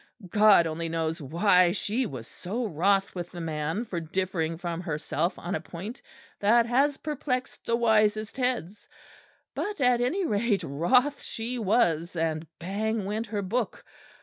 God only knows why she was so wroth with the man for differing from herself on a point that has perplexed the wisest heads: but at any rate, wroth she was, and bang went her book.